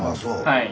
はい。